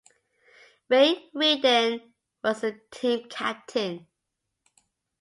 Ray Reddin was the team captain.